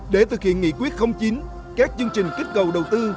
để thực hiện nghị quyết chín các chương trình kích cầu đầu tư